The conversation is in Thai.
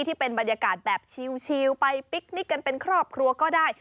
ที่เป็นบรรยากาศแบบชิลไปปิ๊กนิกกันเป็นครอบครัวก็ได้